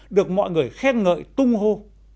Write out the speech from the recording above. được mọi người khen ngợi tung hô